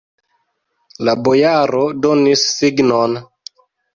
La bojaro donis signon.